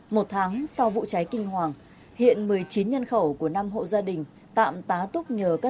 một tháng sau vụ cháy kinh hoàng hiện một mươi chín nhân khẩu của năm hộ gia đình tạm tá túc nhờ các